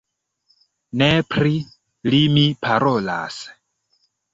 Ne pri li mi parolas!